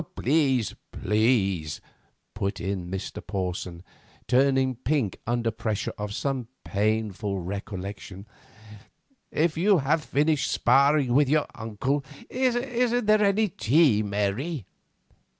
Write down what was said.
"Please, please," put in Mr. Porson, turning pink under pressure of some painful recollection. "If you have finished sparring with your uncle, isn't there any tea, Mary?"